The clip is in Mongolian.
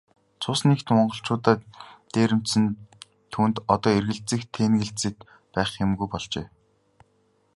Цус нэгт монголчуудаа дээрэмдсэн түүнд одоо эргэлзэж тээнэгэлзээд байх юмгүй болжээ.